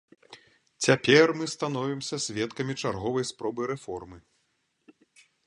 Цяпер мы становімся сведкамі чарговай спробы рэформы.